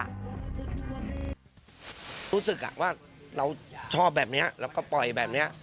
รู้สึกว่าเราชอบแบบนี้แล้วก็ปล่อยแบบนี้